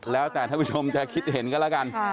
แล้วแต่ท่านผู้ชมจะคิดเห็นกันแล้วกัน